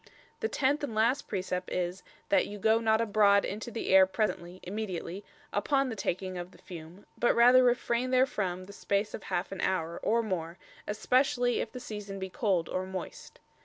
The tenth and last precept is "that you goe not abroad into the aire presently [immediately] upon the taking of the fume, but rather refrain therefrom the space of halfe an houre, or more, especially if the season be cold, or moist."